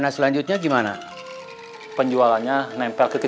satu yang dibawah ke